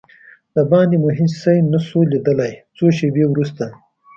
دباندې مو هېڅ شی نه شوای لیدلای، څو شېبې وروسته.